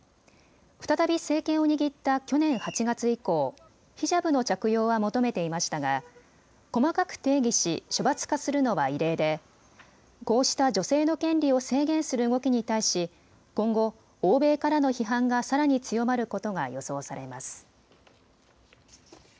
再び政権を握った去年８月以降、ヒジャブの着用は求めていましたが細かく定義し処罰化するのは異例でこうした女性の権利を制限する動きに対し今後、欧米からの批判がさらに強まることが予想されます。